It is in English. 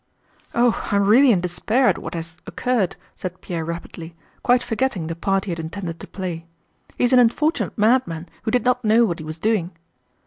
"Oh, I am really in despair at what has occurred," said Pierre rapidly, quite forgetting the part he had intended to play. "He is an unfortunate madman who did not know what he was doing."